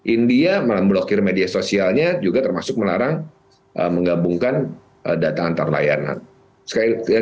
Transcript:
india memblokir media sosialnya juga termasuk melarang menggabungkan data antar layanan